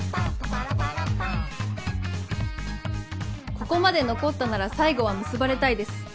ここまで残ったなら最後は結ばれたいです。